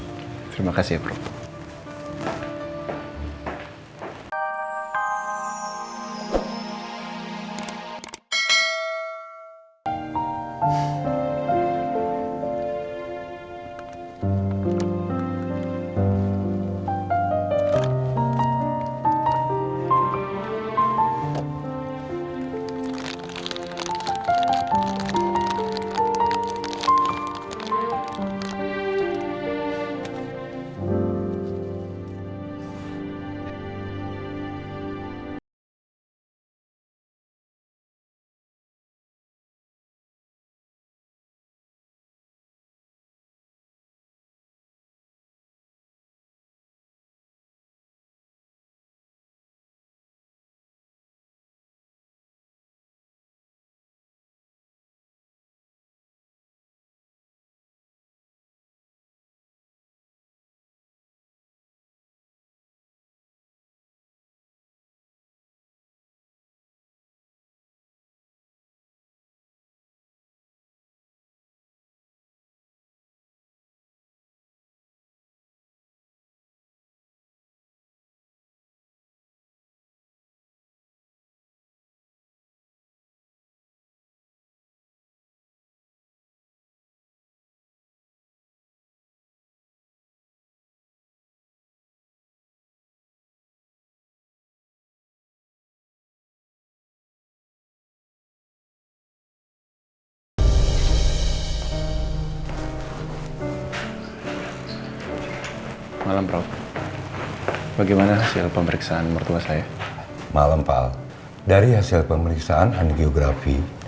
terima kasih ya prof